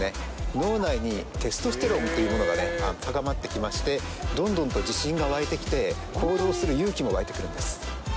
脳内にテストステロンっていうものがね高まってきましてどんどんと自信がわいてきて行動する勇気もわいてくるんです